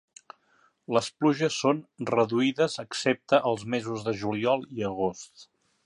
Les pluges són reduïdes excepte als mesos de juliol i agost.